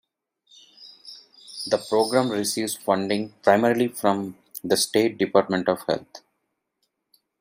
The program receives funding primarily from the state Department of Health.